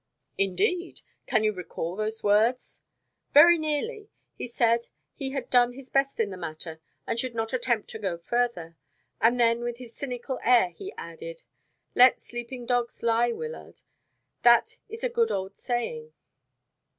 "Indeed! Can you recall those words?" "Very nearly. He said he had done his best in the matter, and should not attempt to go further. And then with his cynical air he added, 'Let sleeping dogs lie, Wyllard. That is a good old saying.'"